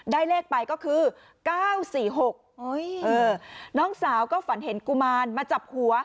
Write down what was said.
ได้เลขไปก็คือเก้าสี่หกเออน้องสาวก็ฝันเห็นกุมารมาจับหัว